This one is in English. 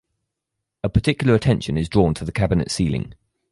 A particular attention is drawn to the cabinet ceiling.